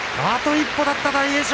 一歩だった大栄翔。